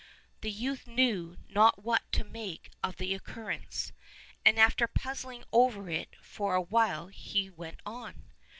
The youth knew not what to make of the occurrence, and after puzzling over it for a while he went on.